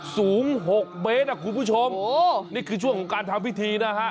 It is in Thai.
สูง๖เมตรอ่ะคุณผู้ชมนี่คือช่วงของการทำพิธีนะฮะ